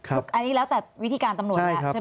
อันนี้แล้วแต่วิธีการตำรวจใช่ไหมครับ